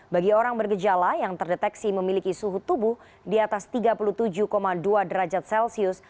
bagi orang bergejala yang terdeteksi memiliki suhu tubuh di atas tiga puluh tujuh dua derajat celcius